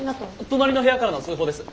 隣の部屋からの通報です。